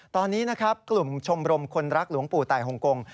ตอนนี้นะครับกลุ่มชมรมคนรักหลวงปู่ไตฮงกง